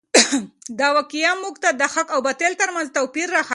دا واقعه موږ ته د حق او باطل تر منځ توپیر راښیي.